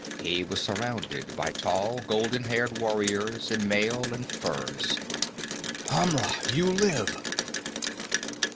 He was surrounded by tall golden haired warriors in mail and furs. "Amra! You live!"